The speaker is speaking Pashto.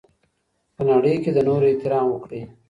په نړۍ کي د نورو احترام وکړئ.